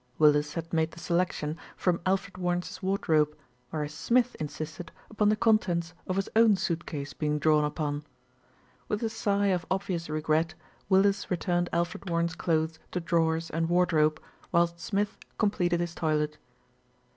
Willis had made the selection from Alfred Warren's wardrobe, whereas Smith insisted upon the contents of his own suit case being drawn upon. With a sigh of obvious regret, Willis returned Alfred Warren's clothes to drawers and wardrobe, whilst Smith completed his toilet.